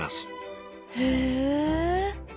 へえ。